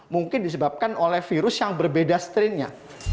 mungkin disebabkan oleh virus yang berbeda strain nya